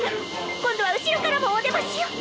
今度は後ろからもおでましよ！